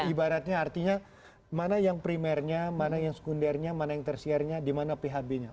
ibaratnya artinya mana yang primernya mana yang sekundernya mana yang tersiarnya di mana phb nya